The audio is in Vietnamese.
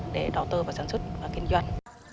để đào tơ vào sản xuất và kinh doanh